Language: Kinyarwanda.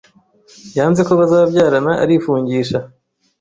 yanze ko bazabyarana arifungisha